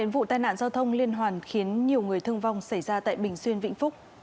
vụ tai nạn giao thông liên hoàn khiến nhiều người thương vong xảy ra tại bình xuyên vĩnh phúc